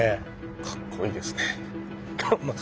かっこいいですね。